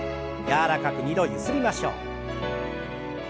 柔らかく２度ゆすりましょう。